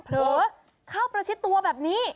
เผลอเข้าประชิดตัวแบบนี้